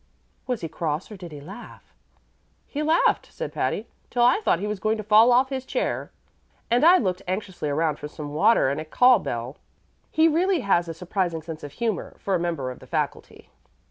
"Was he cross, or did he laugh?" "He laughed," said Patty, "till I thought he was going to fall off his chair, and I looked anxiously around for some water and a call bell. He really has a surprising sense of humor for a member of the faculty."